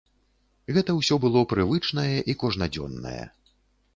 Гэта ўсё было прывычнае і кожнадзённае.